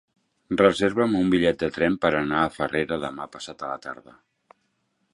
Reserva'm un bitllet de tren per anar a Farrera demà passat a la tarda.